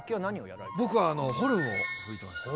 僕はホルンを吹いてました。